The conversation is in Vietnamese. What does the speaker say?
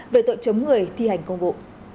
về tội chống người thi hành công vụ